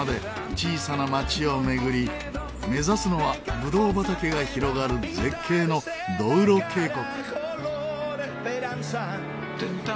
小さな街を巡り目指すのはブドウ畑が広がる絶景のドウロ渓谷。